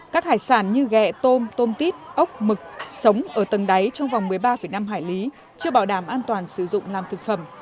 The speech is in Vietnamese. các hải sản như ghẹ tôm tôm tít ốc mực sống ở tầng đáy trong vòng một mươi ba năm hải lý chưa bảo đảm an toàn sử dụng làm thực phẩm